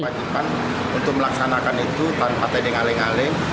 kita wajibkan untuk melaksanakan itu tanpa trading aling aling